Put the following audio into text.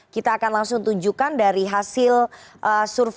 kita akan langsung tunjukkan dari hasil survei beberapa pemerintah